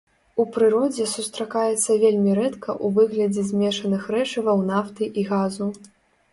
У прыродзе сустракаецца вельмі рэдка ў выглядзе змешаных рэчываў нафты і газу.